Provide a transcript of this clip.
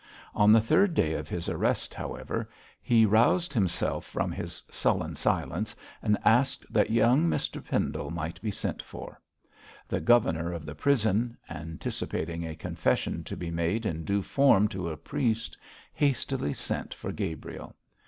On the third day of his arrest, however, he roused himself from his sullen silence, and asked that young Mr Pendle might be sent for. The governor of the prison, anticipating a confession to be made in due form to a priest, hastily sent for Gabriel.